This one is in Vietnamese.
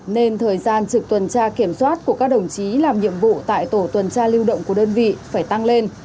nên thời gian trực tuần tra kiểm soát của các đồng chí làm nhiệm vụ tại tổ tuần tra lưu động của đơn vị phải tăng lên